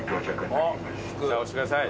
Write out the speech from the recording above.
押してください。